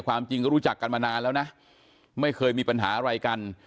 ความจริงก็รู้จักกันมานานแล้วนะไม่เคยมีปัญหาอะไรกัน